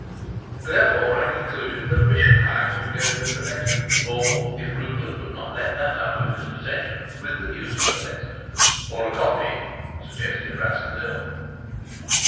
Therefore I concluded that Rischenheim would go with the letter, or, if Rupert would not let that out of his possession, with the news of the letter. "Or a copy," suggested Rassendyll.